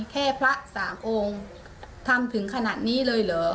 แค่พระสามองค์ทำถึงขนาดนี้เลยเหรอ